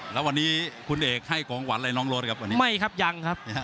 แล้ววันนี้คุณเอกให้ของหวานอะไรน้องรถครับวันนี้ไม่ครับยังครับ